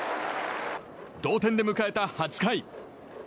同点で迎えた、８回。